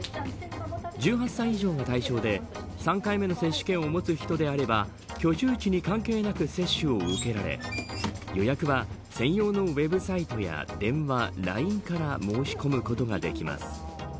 １８歳以上が対象で３回目の接種券を持つ人であれば居住地に関係なく接種を受けられ予約は専用のウェブサイトや電話、ＬＩＮＥから申し込むことができます。